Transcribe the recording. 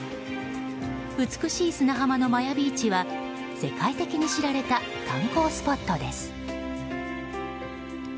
美しい砂浜のマヤビーチは世界的に知られた観光スポットです。